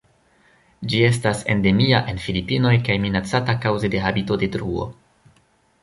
Ĝi estas endemia en Filipinoj kaj minacata kaŭze de habitatodetruo.